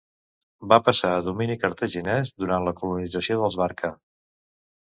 Va passar a domini cartaginès durant la colonització dels Barca.